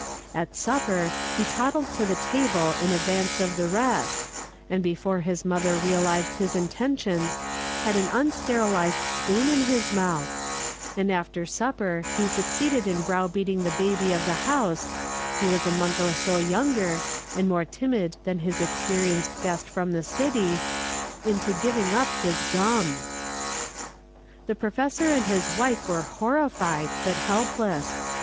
At supper, he toddled to the table in advance of the rest, and before his mother realized his intentions, had an unsterilized spoon in his mouth; and after supper he succeeded in browbeating the baby of the house, who was a month or so younger, and more timid than his experienced guest from the city, into giving up his gum. The professor and his wife were horrified, but helpless.